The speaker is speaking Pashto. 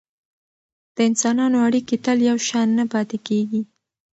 د انسانانو اړیکې تل یو شان نه پاتې کیږي.